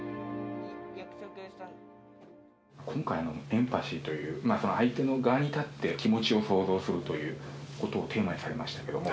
今回のエンパシーという相手の側に立って気持ちを想像するということをテーマにされましたけども。